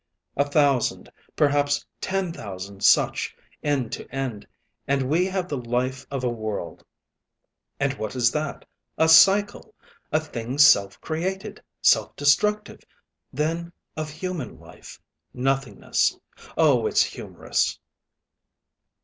A thousand, perhaps ten thousand such, end to end, and we have the life of a world. And what is that? A cycle! A thing self created, self destructive: then of human life nothingness. Oh, it's humorous!